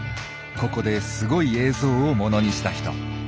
ここですごい映像をものにした人。